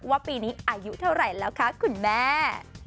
ปีนี้อายุเท่าไหร่แล้วคะคุณแม่